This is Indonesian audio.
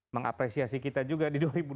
mengapresiasi kita juga di dua ribu dua puluh